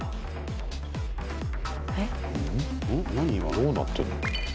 どうなってるの？